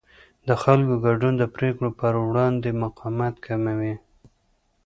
د خلکو ګډون د پرېکړو پر وړاندې مقاومت کموي